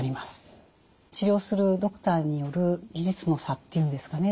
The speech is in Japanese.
治療するドクターによる技術の差というんですかね